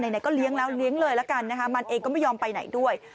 ไหนก็เลี้ยงแล้วเลี้ยงเลยละกันนะคะมันเองก็ไม่ยอมไปไหนด้วย